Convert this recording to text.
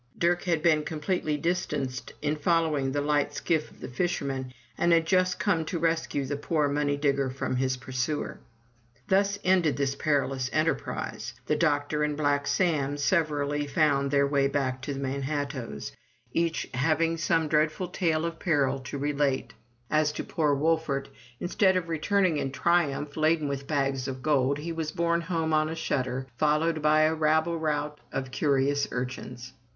Dirk had been completely distanced in following the light skiff of the fisherman, and had just come in to rescue the poor money digger from his pursuer. Thus ended this perilous enterprise. The doctor and Black Sam severally found their way back to the Manhattoes, each having 146 FROM THE TOWER WINDOW some dreadful tale of peril to relate. As to poor Wolfert, instead of returning in triumph laden with bags of gold, he was borne home on a shutter, followed by a rabble rout of curious urchins.